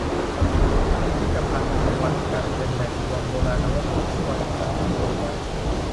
พิพิธภัณฑ์กรุงวาติกันเป็นแหล่งรวมโบราณวัตถุที่วาติกันรวบรวมไว้